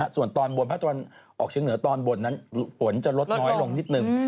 ส่วนภาคตะวันออกเฉียงเหนือตอนบนฝนจะลดน้อยลงนิดหนึ่ง